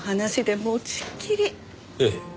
ええ。